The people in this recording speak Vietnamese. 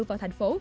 vào thành phố